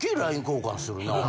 ＬＩＮＥ交換するな。